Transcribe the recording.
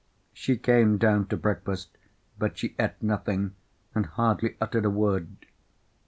She came down to breakfast, but she ate nothing, and hardly uttered a word.